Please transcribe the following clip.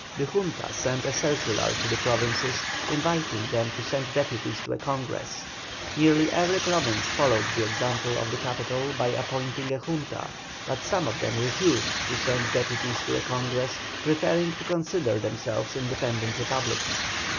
The Junta sent a circular to the provinces inviting them to send deputies to a Congress. Nearly every province followed the example of the capital by appointing a Junta, but some of them refused to send deputies to a Congress, preferring to consider themselves independent republics.